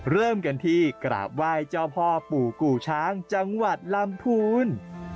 เริ่มกันที่กราบไหว้เจ้าพ่อปู่กู่ช้างจังหวัดลำพูน